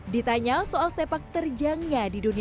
ditanya soal sepak terjangnya di dunia